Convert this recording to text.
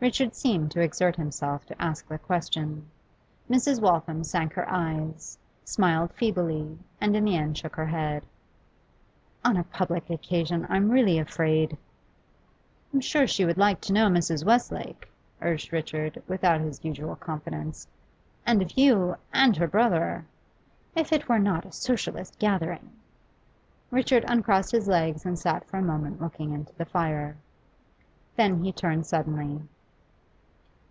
Richard seemed to exert himself to ask the question. Mrs. Waltham sank her eyes, smiled feebly, and in the end shook her head. 'On a public occasion, I'm really afraid ' 'I'm sure she would like to know Mrs. Westlake,' urged Richard, without his usual confidence. 'And if you and her brother ' 'If it were not a Socialist gathering.' Richard uncrossed his legs and sat for a moment looking into the fire. Then he turned suddenly.